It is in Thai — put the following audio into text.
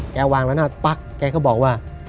วางละนาดปั๊กแกก็บอกว่า